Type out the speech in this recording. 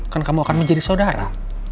kan kamu akan menjadi saudara